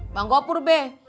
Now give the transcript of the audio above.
bang gopur be